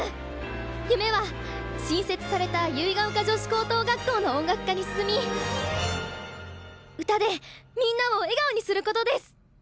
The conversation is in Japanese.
夢は新設された結ヶ丘女子高等学校の音楽科に進み歌でみんなを笑顔にすることです！